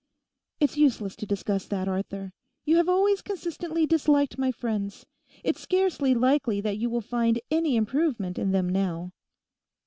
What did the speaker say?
'It's useless to discuss that, Arthur; you have always consistently disliked my friends. It's scarcely likely that you would find any improvement in them now.